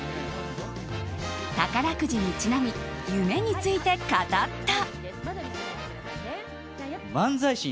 宝くじにちなみ夢について語った。